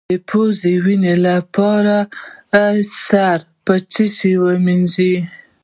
د پوزې وینې لپاره سر په څه شي ووینځم؟